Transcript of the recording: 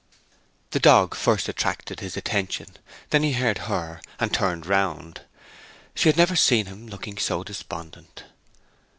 The dog first attracted his attention; then he heard her, and turned round. She had never seen him looking so despondent.